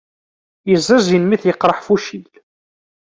Yeẓẓizin mi t-yeqreḥ fuccil.